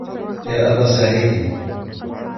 يَا أَبَا سَعِيدٍ